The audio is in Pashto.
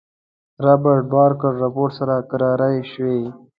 رابرټ بارکر رپوټ سره کراري شوې.